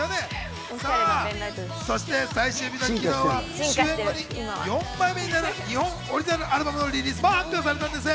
そして最終日の昨日は終演後に４枚目になる日本オリジナルアルバムのリリースも発表されたんです。